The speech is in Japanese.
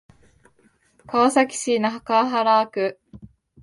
川崎市中原区